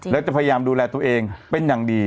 แล้วจะพยายามดูแลตัวเองเป็นอย่างดี